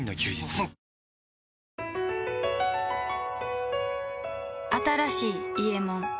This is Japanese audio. あふっ新しい「伊右衛門」